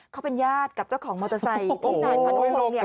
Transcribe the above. เขาเป็นญาติกับเจ้าของมอเตอร์ไซค์ที่ไหน